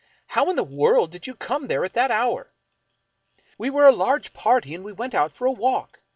How in the world did you come there at that hour ?"" We were a large party and we went out for a walk.